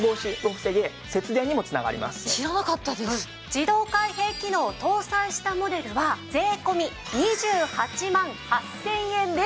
自動開閉機能を搭載したモデルは税込２８万８０００円です。